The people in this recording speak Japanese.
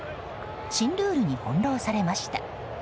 新ルールに翻弄されました。